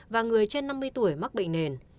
và người trên năm mươi tuổi mắc bệnh nền